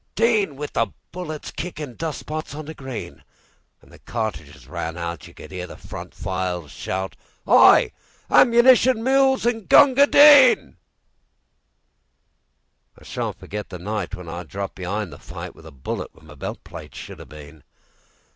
Din!"With the bullets kickin' dust spots on the green. When the cartridges ran out, You could 'ear the front files shout:"Hi! ammunition mules an' Gunga Din!"I sha'n't forgit the nightWhen I dropped be'ind the fightWith a bullet where my belt plate should 'a' been.